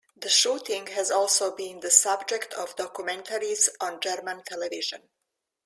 The shooting has also been the subject of documentaries on German television.